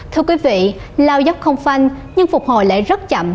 thưa quý vị lao dốc không phanh nhưng phục hồi lại rất chậm